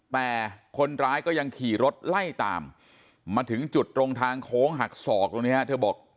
แต่คนร้ายก็ยังขี่รถไล่ตามมาถึงจุดตรงทางโค้งหักศอกตรงนี้ฮะเธอบอก